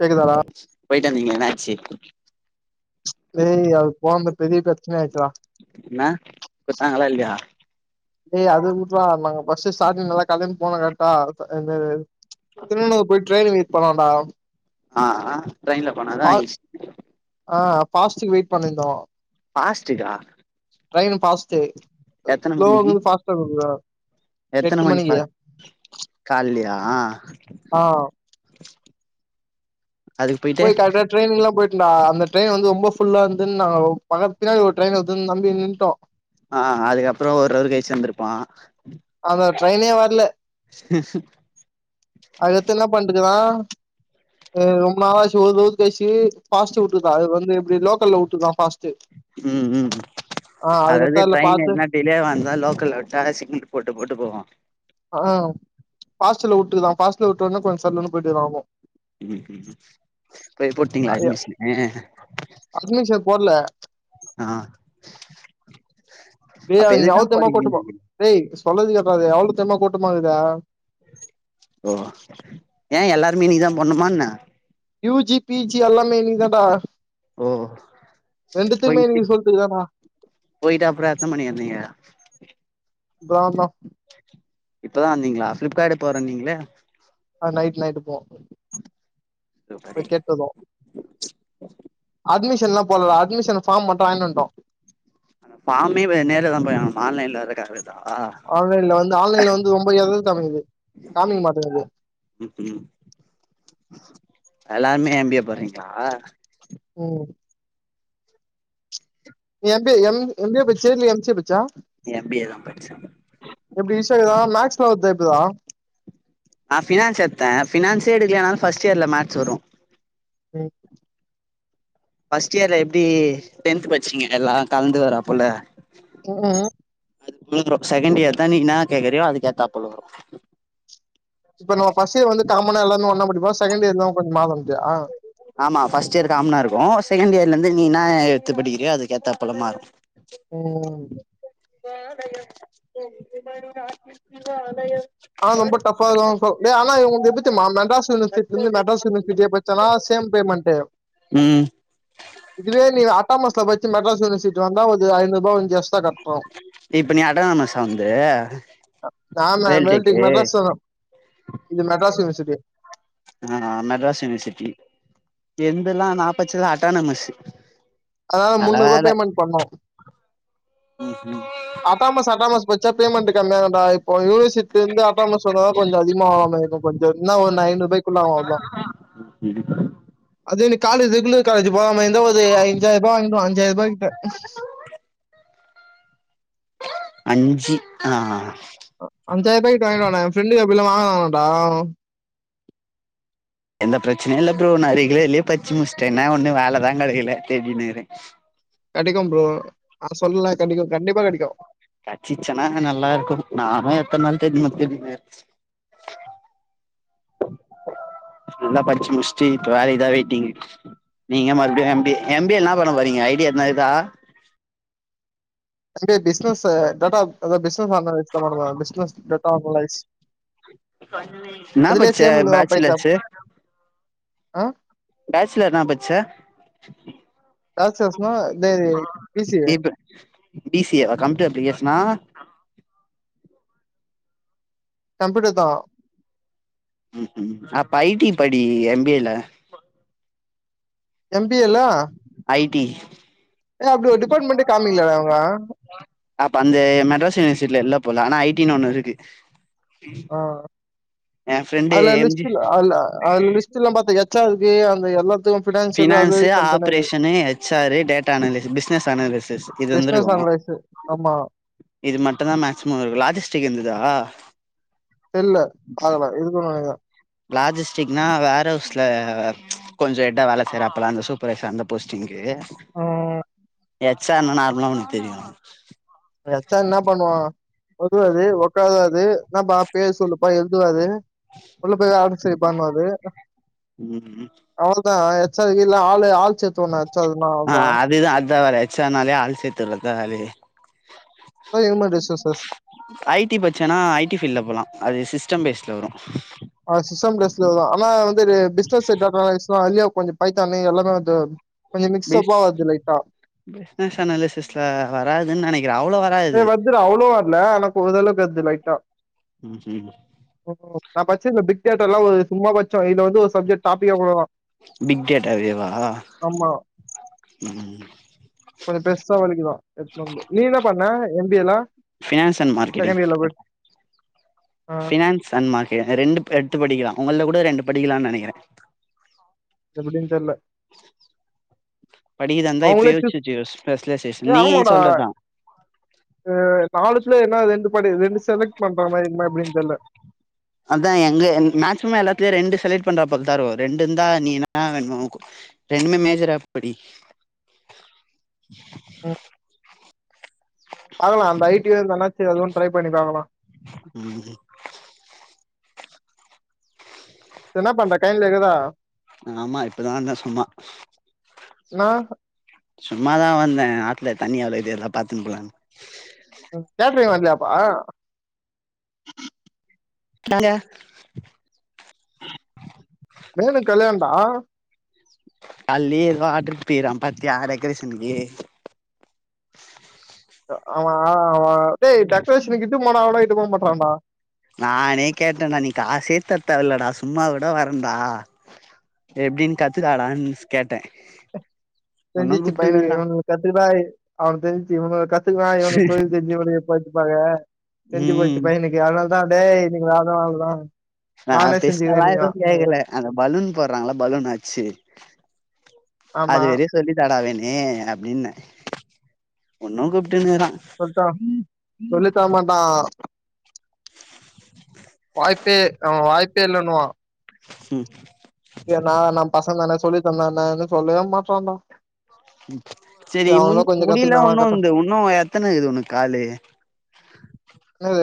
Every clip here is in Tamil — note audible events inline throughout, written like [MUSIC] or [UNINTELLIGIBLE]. கேக்குதாடா போயிட்டு வந்தீங்களே என்ன ஆச்சு டே அது போந்த பெரிய பிரச்சனை ஆயிருச்சுடா என்ன குத்தாங்கலா இல்லயா டேய் அது வுடுறா நாங்க ஃபர்ஸ்ட் ஸ்டாட்டிங் நல்லா கல்யாணு போனு கரெக்ட்டா இந்த இது திருநகர் போய் டிரெயின்ல வெய்ட் பண்ணோன்டா ஆ ட்ரெயின்ல போனாதா ஈசி பாஸ்டிக்கு வெயிட் பண்ணிந்தோ பாஸ்டுக்கா ட்ரெயின்னு பாஸ்ட் ஸ்லோவா வந்து பாஸ்ட்டா போகுதா எட்டு எத்தன மணி பா மணிக்கு கால்லியா ஆ அதுக்கு போயிட்டு போய் கரெக்ட்டா ட்ரெயினுக்கெல்லா போயிட்டு டா அந்த ட்ரெயின் வந்து ரொம்போ ஃபுல்லா இந்து நா பக்கத் பின்னாடி ஒரு ட்ரெய்ன் வருதுனு நம்பி நின்டோ ஆ அதுக்கப்பறோ ஒரு ஹவர் கயிச்சு வந்திருப்பா அந்த ட்ரெய்னே வர்ல இதுவா ரொம்ப நாளாச்சு ஒரு [UNINTELLIGIBLE] பேசி ஃபாஸ்ட் விட்டுருக்கான் அது வந்து எப்டி லோக்கல்ல விட்டுருக்கான் ஃபாஸ் ம் ம் அதாவது அதுக்கடுத்து அதுல ட்ரெயின் பாத்து என்ன டிலே வந்தா லோக்கல்ல விட்டா சிக்னல் போட்டு போட்டு போவான் பாஸ்ட்ல வுட்டுக்தா பாஸ்ட்ல விட்டொன்ன கொஞ்சோ சல்லுனு போயிட்டு வாருவாங்கோ ம் ம் போய் போட்டீங்ளா ஆகு அட்மிஷனு அட்மிஷன் போடல ஆ டேய் அப்ப அங்க எதுக்குதா எவ்ளோ தெரிமா போனீங்க போட்டிருப்பான் நீங்க டேய் சொல்றத கேளுடா எவ்ளோ தெரிமா போட்டிருந்தாங்க இத ஓ ஏன் எல்லாருமே இன்னைக்குதா போணுமா என்ன யூ ஜி, பி ஜி எல்லாமே இன்னைக்குதான்டா ஓ ரெண்டத்துமே போயிட்டு இன்னைக்கு சொல்ட்டு இதானா போயிட்டு அப்றோ எத்தன மணிக்கு வந்தீங்க இப்பதா வந்தோ இப்பதா வந்தீங்ளா ஃபிளிப்கார்டு போறனீங்களே அது நைட் நைட்டு போவோ போய் சூப்பரு கேட்டு வந்தோ அது சென்னா போடல அட்மிஷன் ஃபார்ம் மட்டு வாங்கிட்டு வந்ட்டோ அந்த ஃபாமே வ நேர்லதா போய்வாங்கனுமா ஆன்லைன் ல வாங்கறக்கு ஆகாது ஆன்லைன்ல வந்து ஆன்லைன்ல வந்து ரொம்ப எரர் காமிக்குது காமிக்மாட்டிகது [INAUDIBLE] ம் ம் எல்லாருமே எம் பி ஏ போட்றீங்ளா உம் M B A M M B A பச்சியா இல்ல எம் சி ஏ பச்சியா ஏம் பி ஏ தா படிச்ச எப்டி ஈசியாகுதா மேக்ஸ் [UNINTELLIGIBLE] இகுதா நா பினான்ஸ் எத்த பினான்ஸே எடுக்லினாலு ஃபஸ்ட்டியர்ல மேக்ஸ் வரு ம் ஃபஸ்டியர்ல எப்டி டென்த் பச்சீங்க எல்லா கலந்து வராபொல ம்கும் [UNINTELLIGIBLE] செகண்டியர்தா நீ இன்னா கேக்கிறியோ அதுக்கேத்தாப்போல வரு இப்ப நம்ம ஃபஸ்ட்டியர் வந்து காமனா எல்லாருமே ஒன்னா படிப்போ செகண்ட்டியர்‌தா கொஞ்ச மாவஞ்சி ஆ ஆமா ஃபர்ஸ்டியர் காம்னா இருக்கு செகண்டியர்லந்து நீ இன்னா எட்த்து படிக்கிறியோ அதுக்கு ஏத்தாப் போல மாறு ம் வாழையம் கொங்கு மணி நாட்டுக்கு வாழையம் ஆனா ரொம்ப டஃப்பா [UNINTELLIGIBLE] டேய் ஆனா இவுங்து எப்டி தெம்மா மெட்ராஸ் யுனிவர்சிட்டிலந்து மெட்ராஸ் யுனிவர்சிட்டி பச்சனா சே ஏம் பேமண்டு உம் இதுவே நீ அட்டாமஸ்ல பச்சு மெட்ராஸ் யுனிவர்சிட்டி வந்தா ஒது ஐநூதுபா வந்து எஸ்டா கட் இப்ப நீ அட்டானமசா வந்து வேல்டெக் இது மெட்ராஸ்லதா இது மெட்ராஸ் யூனிவர்சிட்டி ஆ மெட்ராஸ் யுனிவர்சிட்டி‌ என்தலா நா பச்சதுலா அட்டானமஸ்சு அதனால முன்னூருவா பேமண்ட் பண்ணு ம் அட்டாமஸ் அட்டாமஸ் பச்சா பேமண்ட்டு கம்மியாகுன்டா இப்ப யுனிவஸ் சித்திந்து அட்டாமஸ் வந்தாதா கொஞ்ச அதிகமாவாம இக்கு கொஞ்ச என்னா ஒரு நயன்ருபாய்க்குள்ள ஆகு அவுள்தா [UNINTELLIGIBLE] காலேஜ் ரெகுலர் காலேஜூ போவாம இந்தா ஒது அஞ்சாயிர்பா வாய்ங்லா அஞ்சாயிர்பா கிட்ட [INAUDIBLE] அஞ்சி ஆ அ அஞ்சாயிரபாய் கிட்ட வாங்கிடுவானா ஏ ஃப்ரெண்டுக்கு அப்டிதா வாங்கலாமான்டா எந்த பிரச்சனையு இல்ல ப்ரோ நா ரெகுலர்லியே பச்சு முஸ்ட என்னா ஒன்னு வேலதா கெடைக்கல தேடினுகிற கெடைக்கு ப்ரோ நான் சொல்லல கிடைக்கும் கண்டிப்பா கிடைக்கும் கெச்சிச்சுனா நல்லாருக்கு நானு எத்தன் நாள் தெரிமா தேடி நெர்ப்ஸ் நல்லா படிச்சு முடிஸ்ட்டு இப்ப வேலைக்குதா வெயிட்டிங்கு நீங்க மறுபடியு எம் பி ஏ எம் மி ஏ ல இன்னா பன்ன போறீங்க ஐடியா எதனாகுதா [INAUDIBLE] பே பிஸ்னஸ்சு டேட்டாப் எதா பிஸ்னஸ்சு அந்த [UNINTELLIGIBLE] டேட்டா அனலைஸ் இன்னா அதுலயே பச்ச பேச்சுலர்ஸ்சு அ பேச்சுல இன்னா பச்ச பேச்சுலர்ஸ்னா இதே பிசி இப்ப பி சி ஏ வா கம்பியூட்டர் அப்ளிகேஷனா கம்ப்பியூட்டர் தா ம் ம் அப்ப ஐ டி படி எம் பி ஏ ல எம் பி ஏ ல ஐ டி காமிக்கலடா அவங்க அப்ப அந்த மெட்ராஸ் யூனிவர்சிட்டில எல்லாப் போல ஆனா ஐ டி னு ஒன்னுருக்கு ஆ ஃப்ரெண்டு அதுல எம் ஜி லிஸ்டில்ல அதுலா அதுல லிஷ்டில்லா பாத்த எச்ஆர் ஏ அந்த எல்லாத்துக்கு finance operation HR data analysis business analysis இது வந்துருக்கு கு ஆமா இது மட்டுந்தா மேக்சிமம் வரும் லாஜஸ்டிக் இருந்துதா இல்ல பாக்கலா இருக்குன் நினைக்ற லாஜஸ்டிக்னா வேர் ஹவுஸ்ல கொஞ்ச எட்டா வேல செய்றாப்ல அந்த சூப்பர்ரைசர் அந்த போஸ்டிங்கு ம் எச்னார்னா நார்மலா உனக்கு தெரியும் எச்சானா என்ன பண்ணுவா உதுவாது உக்காராது என்ன பா பேர் சொல்லுப்பா எழுதுவாரு உள்ள போய் ஆம் சரிப்பானுவாரு ம் அவு தா எச்சா இல்ல ஆளு ஆள் சேத்து ஒண்ண எச்சாதுன அவுள்தா எச் ஆர் நாளே ஆல் சேத்துரத வேலையே ஹியூமன் ரிசோர்சஸ் ஐடி பச்சன்னா ஐடி பீல்ல போலா அது சிஸ்டம் பேஸ்ல வரும் சிஸ்டம் பேஸ்ல வரும் ஆனா வந்து இரு பிஸ்னஷ் செக்டர் சொ அதுலயே கொஞ்ச பைத்தானி எல்லாமே வந்து கொஞ்ச பிஸ் மிக்ஸ்அப்பா வருது லைட்டா பிஸ்னஷ் அனாலிசிஸ்ல வராதுன் நினைக்ற ஏ வருதுரா அவ்ளோ வரல எனக்கு ஒரளவுக்கு லைட்டா ம் ம் ம்கு நா பச்சல பிக் தியேட்டர்ல ஒரு சும்மா கொஞ்ச சொ இது வந்து ஒரு சப்ஜக்ட் டாப்பிக் அவ்ளோதா பிக் டேட்டாவேவா ஆமா ம் கொஞ்ச பெர்சா வலிக்குதா எத்னு வந்து நீ என்ன பண்ண எம்பிஏல பினான்ஸ் அன் மார்கெட்டிங் ஆ பினான்ஸ் அன் மார்க்கெ ரெண்டு எட்த்து படிக்கரா உங்கள்ல கூட ரெண்டு படிக்கலானு நினைக்கிற எப்டின் தெர்ல படிக்கராதா இருந்த இப்போ அவங்களே யோச்சு சூஸ் வச்சுகோ ஸ்பல்லசேஷன் ஏ நீ ஆமாடா சொல்றத்தா நாலுத்ல என்னா ரெண்டு படி ரெண்டு செலக் அதா எங்க ஏ மேக்சிமம் எல்லாத்லியு ரெண்டு செலக்ட் பண்றப்பல தரு ரெண்டு இந்தா நீ என்னா வேண்மோ கு ரெண்டுமே மேஜராப்படி [INAUDIBLE] உம் பாக்கலா அந்த ஐடி அந்தன்னாச்சு அதுவு ட்ரை பண்ணி பாக்கலா [INAUDIBLE] என்ன பண்ற கையலக்குதா ஆமா இப்பதா இந்த சும்மா என்னா சும்மாதா வந்த ஆத்ல தண்ணி எவ்ளோக்குது அதுலா பாத்துன் போலானு ம் கேட்ரிங் வல்லியாப்பா [UNINTELLIGIBLE] வேனுக் கல்யாண்டா காலயே வாட்ரு பீரான்பாத்தியா டெக்கரேஷன்க்கு ஹ்ம் ஆமா அவ டேய் டெக்ரேஷனுக்குட்டு போனா அவன இட்டு போமாட்றான்டா நானே கேட்டன்டா நீ காசே தர்தேவல்லடா சும்மாகூட வரண்டா எப்டின் கத்துதாடான் கேட்ட தெரிஞ்சுச்சு பையனுக்கு இவனு கத்துக்கதாய் அவனு தெரிஞ்ச்சு இவனு கத்துக்குவா இவனு தொழில் செஞ்சு முடியு போச்சுப்பாங்க செஞ்சு ம் போச்சுப்பாய்ங்க இன்னைக்கு அனாலதா டேய் நீங்க அத ஆகலா நா பெசாலா எதும் கேக்கல அந்த பலூன் போறாங்கள பலூன் அச்சு அது ஆமா வெறிய சொல்லி தாடா வேனி அப்டின்ன ஒன்னும் கூப்ப சொல்ட்டா சொல்லித் தரமாட்டா வாய்ப்பே அவே வாய்ப்பே இல்லனுவா ஹும் எ நா நம் பசங்னா சொல்லி தந்தா என்ன இத்லா சொல்லவே மாட்றா டா சேரி முன் முடில கத்துக்குனா உன்னு கட்டு இந்த உன்னு எத்தன இக்குது உன்க்கு காலு [INAUDIBLE]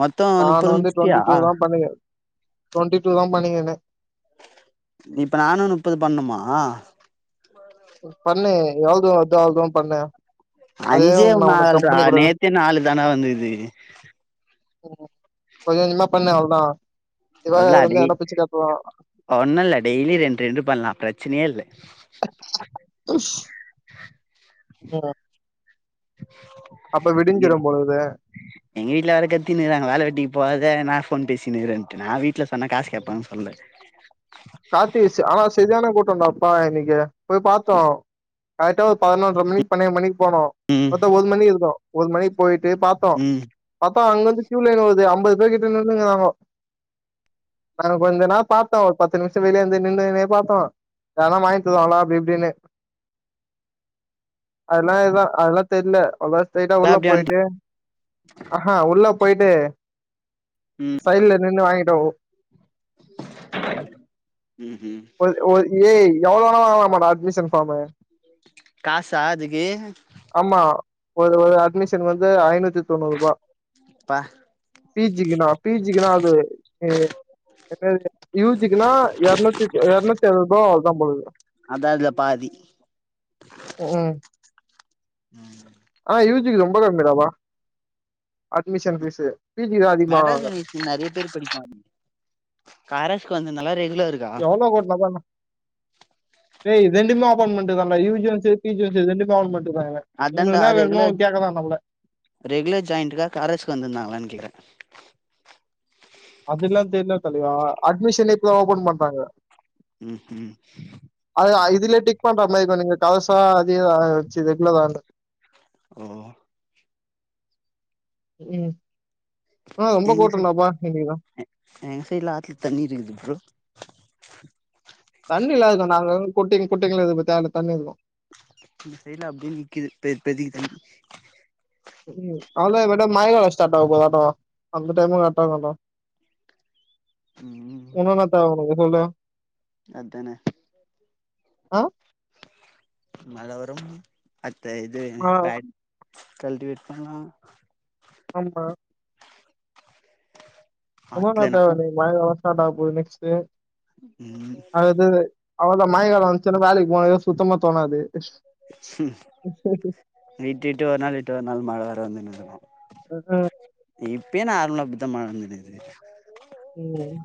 மொத்தோ நான் நுப்பது வந்து முட்ச்சிட்டியா டொண்டி டூ தா பண்ணிகே டொண்டி டூ தா பண்ணிக்கர்னே இப்ப நானு நுப்பது பண்ணுமா பண்ணு எவள் தூ வத்தோ அவ்ளோ தூவ பண்ணு அதே அஞ்சேவ் நா உனக்கு நாள்ரா கம்பெனி கூட நேத்தே நாலு தா‌ன்டா வந்துகுது ம் கொஞ்சோஞ்சமா பண்ணு அவுள்தா அல்லா டெய் ஒன்னுல்ல டெய்லி ரெண்ரெண்டு பண்லா ப்ரச்சினே இல்ல [INAUDIBLE] உம் இங்கே போலக்குது எங் வீட்ல வேற கத்தினுருகுகாங்க வேல வெட்டிவ் போவ்தே என்னா ஃபோன் பேசினுக்றனு நா வீட்ல சொன்னா காசு கேப்பாங்கன் சொல்ல காத்தேஷு ஆனா செரியான கூட்டன்டா பா இன்னிக்கு போய் பாத்தோ அய்ட்டோ ஒர் பத்னொன்ற மணிக் பன்னெய் மணி போனோ ம் பாத்தா ஒரு மணி இருக்கு ஒரு மணிக்கு போயிட்டு பாத்தோ ம் பாத் அப்ப அங்கந்து கீயூ லைன் வகுது ஐம்பது பேர் கிட்ட நின்னுகுறாங்கோ நா கொஞ்ச நா பாத்தோ பத்து நிமிஷ வெளிய வந்து நின்னுகுனே பாத்தோ யார்னா வாய்ன்ட்டுதாங்ளா அப்டி இப்டினு அதுலா ஏதோ அதுலா தெர்ல [UNINTELLIGIBLE] சைடா எல்லா உள்ள அப்டி போய்ட்டு வந்ட்டா அ ஹா உள்ள போய்ட்டு ம் சைட்ல நின்னு வாங்கிடோ ம் ஹு எவளோ வணா வாங்கலாமாடா அட்மிஷன் ஃபாமு காசா அதுக்கு ஆமா ஒரு ஒரு அட்மிஷன் வந்து ஐநூத்தி தொண்ணூறுபா பா பீஜிக்குனா பீஜிசுக்குனா அது ஏ எப்யாது யூஜிக்குனா எர்நூத்தி எர்நூத்தி எழுவத்பா அவ்ளோதா போலக்குது அதா இதுல பாதி ம் ம் யூஜிக்கு ரொம்ப கம்மிடாப்பா அட்மிஷன் ஃபீஸு பி ஜிக்கு தா அதிகமா மெட்ராஸ் வாங்குறாங்க யூனிவஸ்டி நற்ய பேரு படிப்பாய்ங் கரஸ்க்கு வந்து நல்ல ரே எவ்ளோ கட்னுதான டே ரெண்டுமே ஒப்பான்டுதான்டா யூஜியு சேர் பீஜியு சேர் ரெண்டுமே ஆகுமெண்ட் அதா‌ன்டா ரெகுல நம்மள ரெகுலர் ஜாயிண்டுக்கா கரஸ்க்கு வந்திந்தாங்களான் கேக்குற அதுல்லா தெர்ல தலைவா அட்மிஷனே இப்ப தா ஓபன் பண்றாங்க ம் ஹு அது இதுல டிக் பண்ற மாயி கொஞ்ச இ ங்க டவசா அதியதாயவெச்சு தெட்லதால ஒ ம் ஆ ரொம்ப எங்க சை கூட்டம்டாப்பா இன்னைக்கு எங்க சைட்ல ஆத்துல தண்ணீ இருக்குது ப்ரோ தண்ணீ இல்லாதக்கு நாங்க குட்டிங் குட்டிங்ல இது ப தேன தண்ணிருக்கு இந்து சைட்ல அப்டியே நிக்கிது பேத் பெதிக்கி [UNINTELLIGIBLE] அவ்ளோதா இத் மேட்டா [UNINTELLIGIBLE] வஷ்டான்டா யுபதாட்டொ அந்த டைமு கர்ட்டாக்குன்டா உன்னு நா தேவவொனு சொல்லு அத்தான அ மழ வரும் அத்த இது ஆ, பேட் கல்டிவேட் பண்லா ஆமா உமா ஆத்துல நம்ம மேம் [UNINTELLIGIBLE] நெக்ஸ்ட்டு ம் அவங்க மைகள் வச்சினு வேலைக்கு போ சுத்தமா தோனாது ம் இருட்டு இருட்டு ஒரு நாள் இட்டு ஒரு நாள் மழ வேற வந்துங்கின்னுருக்கு அப்புற [UNINTELLIGIBLE] இப்பயே நான் [UNINTELLIGIBLE] மழ வந்துன்னுருக்குது ம்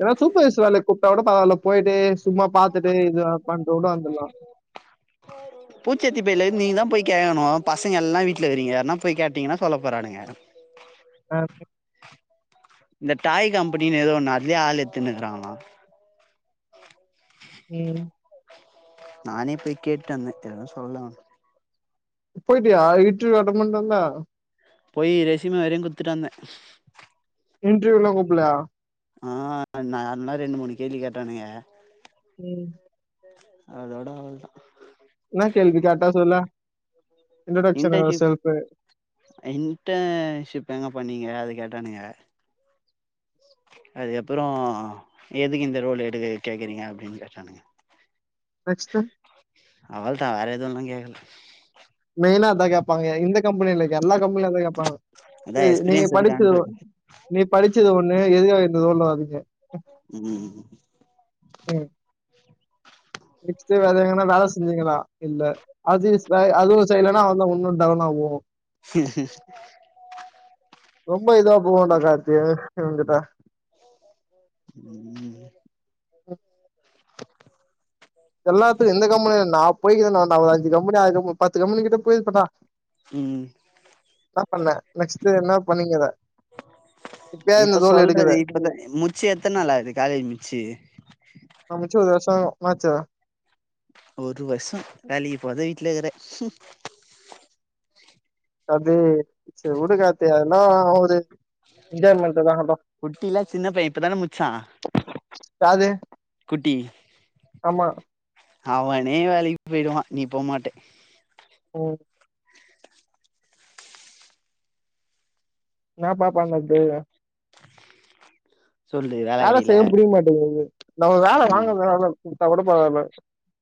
எதாவது சூப்பர்வைசர் வேலை கூப்ட்டா கூட பரவால்ல போயிட்டு சும்மா பார்த்துட்டு இது [UNINTELLIGIBLE] வந்தர்லா ச்சத்திப்பையல நீ தான் போய் கேக்கணும் பசங்க எல்லா வீட்டுல இருக்கிறீங்க எங்கனா போய் கேட்டீங்கன்னா சொல்ல போறானுங்க அ, இந்த டாய் கம்பெனின்னு ஏதோ ஒண்ணு அத்லயும் ஆள் எத்துன்னுக்கிறாங்களா ம் நானே போய் கேட்டு வந்தே எதுவும் சொல்லல அவனுக போயிட்டியா இன்டர்வியூ வா அட்டன் பண்டு வந்த போய் ரெசிம வரையும் குடுத்துட்டு வந்தே இன்ண்டர்வியூல கூப்லயா ஆஹ் ந அது மாரி ரெண்டு மூணு கேள்வி கேட்டானுங்க ம் அதோட அவ்ளோதா ன்ன கேள்வி கேட்டா சொல்லே இன்டர்ன்ஷிப் இன்டன்ஷிப் எங்க பண்ணீங்க அது கேட் பண்ணிக அதுக்கப்புறம் எதுக்கு இந்த ரோல் எடு கேக்குறீங்க அப்படின்னு கேட்டானுங்க நெக்ஸ்ட்டு? அவள்தா வேற எதுவும்ல கேக்கல மெயினா அதான் கேப்பாங்க இந்த கம்பெனில எல்லா கம்பெனில அதா கேட்பாங்க அதா சரி நீங்க எக்ஸ்பீரியன்ஸ் படிச்சது இருக்கான்றது நீ படிச்சது ஒண்ணு எது [UNINTELLIGIBLE] அதுக்கே ம் நெக்ஸட் வேற எங்கன்னா வேலை செஞ்சுங்களா இல்ல அது அது ஒரு சைடுலனா அவான் ஒன்னும் டவுன் ஆகும் ஹி ஹி ரொம்ப இதா போகுண்டா கார்த்தி இவன் கிட்ட ம் எல்லாத்துக்கு எந்த கம்பெனி நான் போய நா அஞ்சு கம்பெனிஆறு கம்ப பத்து கம்பெனி கிட்ட போய்ருடும் பண்ணா ம் ம் என்ன பண்ண நெக்ஸ்ட்டு என்ன பண்ணீங்கத இப்பயே இந்த இப்ப தோல் எடுக்குது சொல்றது இப்பதான் முச்சு எத்தனை நாள் ஆகுது காலேஜ் முச்சு மிச்சத வர்ஷம் எக அஆனச்சுதா ஒரு வருஷ வேலக்கு போகத வீட்லயே இருக்கறே சூப் அது செரி கார்த்தி சரி விடு காத்தி அதெல்லா ஆவது குட்டிலாயீல்லி பையன் இப்பதானே முச்சான் யாது குட்டி ஆமா அவனே வேலைக்கு போயிடுவா நீ போ மாட்டே ம் என்னப்பா பண்னது சொல்லு வேல வேலை கெடைக்கல செய்ய முடிய மாட்டேங்கது நம்ம வேலை ம் வாங்க வேல குடுத்தா கூட பரவால்ல